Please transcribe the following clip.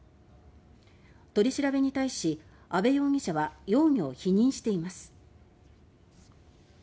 取り調べに対し阿部容疑者は容疑を否認しています。